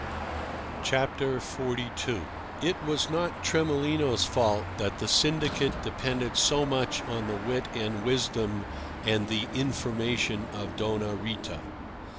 XLII. It was not Tremolino's fault that the syndicate depended so much on the wit and wisdom and the information of Doña Rita.